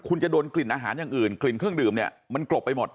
คุณจะโดนกลิ่นอาหารอย่างอื่นกลิ่นเครื่องดื่มเนี่ยมันกลบไปหมด